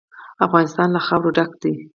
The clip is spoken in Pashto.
افغانستان له خاوره ډک دی.